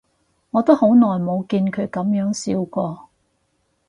我都好耐冇見佢噉樣笑過